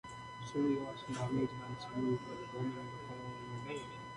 "Zulu" was damaged and sunk by bombing the following day.